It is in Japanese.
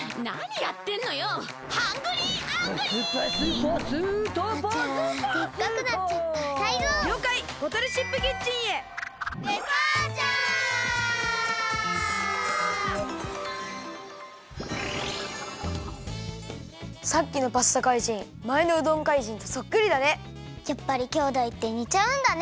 やっぱりきょうだいってにちゃうんだね！